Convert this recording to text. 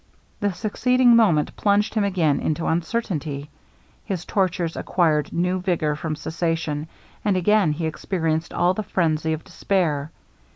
The succeeding moment plunged him again into uncertainty; his tortures acquired new vigour from cessation, and again he experienced all the phrenzy of despair.